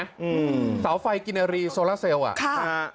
อืมสาวไฟกินอารีโซลาเซลล์อ่ะค่ะ